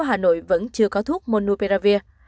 thành phố hà nội vẫn chưa có thuốc monopiravir